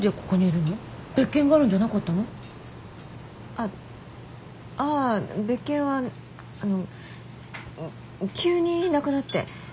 ああぁ別件は急になくなって。